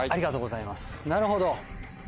なるほど。